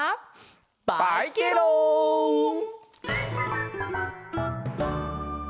バイケロん！